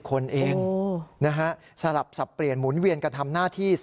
คนเองนะฮะสลับสับเปลี่ยนหมุนเวียนกันทำหน้าที่